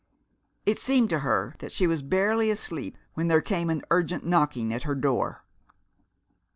It seemed to her that she was barely asleep when there came an urgent knocking at her door.